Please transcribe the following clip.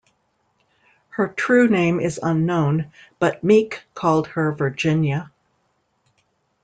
Her true name is unknown, but Meek called her "Virginia".